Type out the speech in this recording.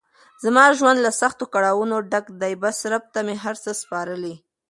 زما ژوند له سختو کړاونو ډګ ده بس رب ته مې هر څه سپارلی.